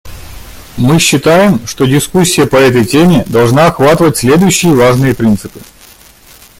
Мы считаем, что дискуссия по этой теме должна охватывать следующие важные принципы: